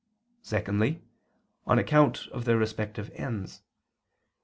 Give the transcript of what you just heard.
Secondly, on account of their respective ends.